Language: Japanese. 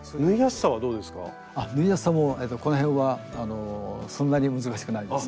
縫いやすさもこのへんはそんなに難しくないです。